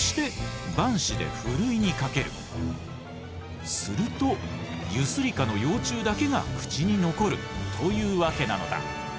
そしてするとユスリカの幼虫だけが口に残るというわけなのだ！